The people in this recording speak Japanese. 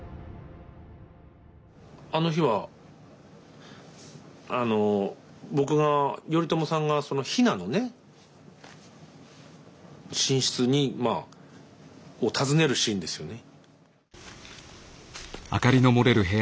あの日はあの僕が頼朝さんが比奈のね寝室を訪ねるシーンですよね。